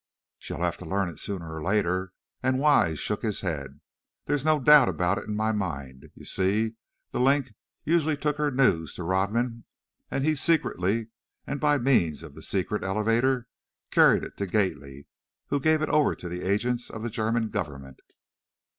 "She'll have to learn it sooner or later," and Wise shook his head. "There's no doubt about it in my mind. You see, 'The Link' usually took her news to Rodman and he secretly, and by means of the secret elevator, carried it to Gately who gave it over to the agents of the German Government."